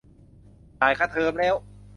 จ่ายค่าเทอมแล้ว